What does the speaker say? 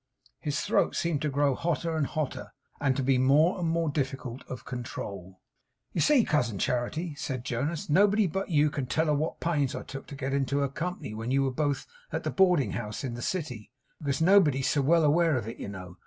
His throat seemed to grow hotter and hotter, and to be more and more difficult of control. 'You see, Cousin Charity,' said Jonas, 'nobody but you can tell her what pains I took to get into her company when you were both at the boarding house in the city, because nobody's so well aware of it, you know.